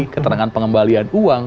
keterangan pengembalian uang